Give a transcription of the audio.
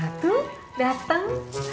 nah tuh dateng